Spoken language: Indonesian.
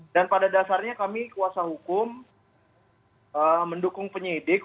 dan pada dasarnya kami kuasa hukum mendukung penyidik